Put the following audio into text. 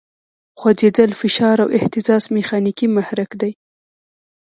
خوځېدل، فشار او اهتزاز میخانیکي محرک دی.